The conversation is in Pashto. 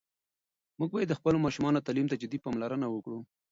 موږ باید د خپلو ماشومانو تعلیم ته جدي پاملرنه وکړو.